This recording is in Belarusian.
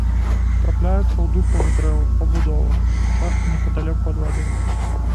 Трапляюцца ў дуплах дрэў, пабудовах, часта непадалёку ад вады.